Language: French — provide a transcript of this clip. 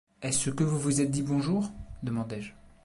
Est-ce que vous vous êtes dit bonjour? demandai-je.